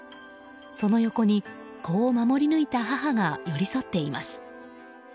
その横に、子を守り抜いた母が寄り添っています。